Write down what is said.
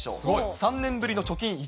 ３年ぶりの貯金１。